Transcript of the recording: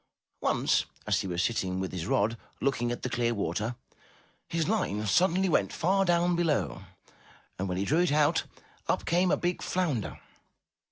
Once, as he was sitting with his rod, looking at the clear water, his line suddenly went far down below and when he drew it out, up came a big flounder.